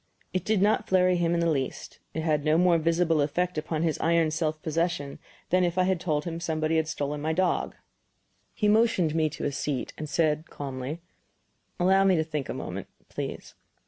It did not flurry him in the least; it had no more visible effect upon his iron self possession than if I had told him somebody had stolen my dog. He motioned me to a seat, and said, calmly: "Allow me to think a moment, please."